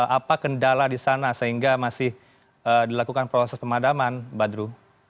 apa kendala di sana sehingga masih dilakukan proses pemadaman badru